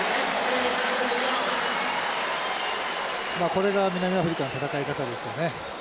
これが南アフリカの戦い方ですよね。